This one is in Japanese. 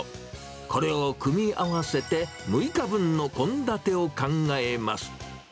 これを組み合わせて、６日分の献立を考えます。